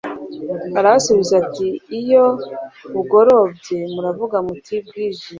arabasubiza ati iyo bugorobye muravuga muti bwije